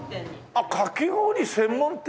あっかき氷専門店！